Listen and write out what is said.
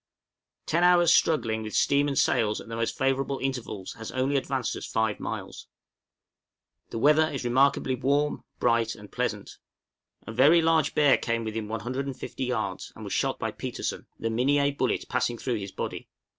Ten hours' struggling with steam and sails at the most favorable intervals has only advanced us five miles. The weather is remarkably warm, bright, and pleasant. A very large bear came within 150 yards, and was shot by Petersen, the Minié bullet passing through his body.